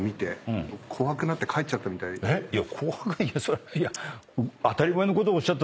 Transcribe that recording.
いや。